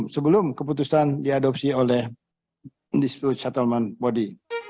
sebelum keputusan diadopsi oleh dispute settlement body